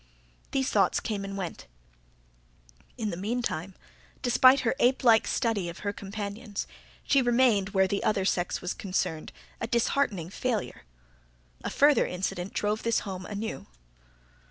These thoughts came and went. In the meantime, despite her ape like study of her companions, she remained where the other sex was concerned a disheartening failure. A further incident drove this home anew.